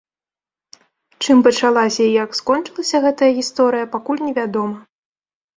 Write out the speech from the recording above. Чым пачалася і як скончылася гэтая гісторыя, пакуль невядома.